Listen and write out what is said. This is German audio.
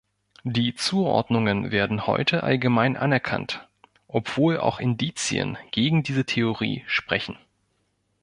Die Zuordnungen werden heute allgemein anerkannt, obwohl auch Indizien gegen diese Theorie sprechen.